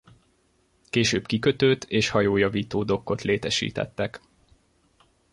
Később kikötőt és hajójavító dokkot létesítettek.